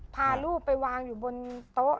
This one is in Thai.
พาลูกไปวางอยู่บนโต๊ะ